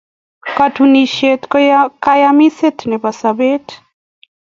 Katunisyet ko kayamiset nebo sobeet.